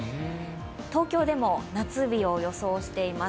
東京でも夏日を予想しています。